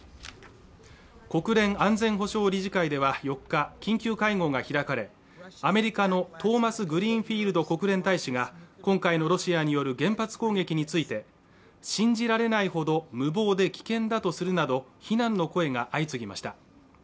国連安全保障理事会では４日緊急会合が開かれアメリカのトーマスグリーンフィールド国連大使が今回のロシアによる原発攻撃について信じられないほど無謀で危険だとするなど非難の声が相次ぎました